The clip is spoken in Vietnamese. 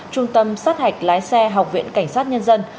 trung tâm sát hạch lái xe học viện cảnh sát nhân dân